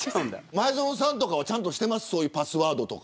前園さんはちゃんとしてますかパスワードとか。